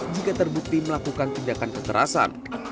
jika terbukti melakukan tindakan kekerasan